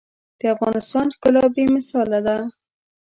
د افغانستان ښکلا بې مثاله ده.